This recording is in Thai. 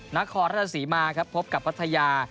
นครราชศรีมาครับพบกับพัทยา